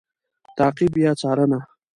تعقیب √څارنه